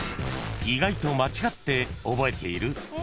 ［意外と間違って覚えている？